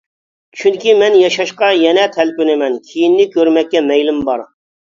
چۈنكى مەن ياشاشقا يەنە تەلپۈنىمەن، كېيىننى كۆرمەككە مەيلىم بار.